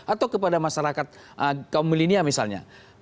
atau kepada masyarakat kaum milenial misalnya